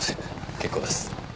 結構です